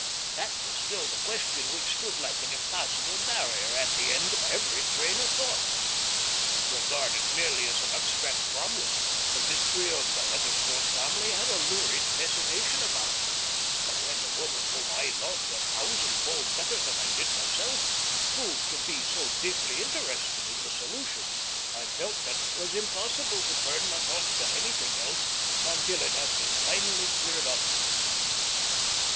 That was still the question which stood like an impassable barrier at the end of every train of thought. Regarded merely as an abstract problem, this mystery of the Heatherstone family had a lurid fascination about it, but when the woman whom I loved a thousandfold better than I did myself proved to be so deeply interested in the solution, I felt that it was impossible to turn my thoughts to anything else until it had been finally cleared up.